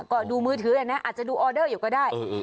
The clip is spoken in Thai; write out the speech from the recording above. ก็ดูมือถือนะอาจจะดูออเดอร์อยู่ก็ได้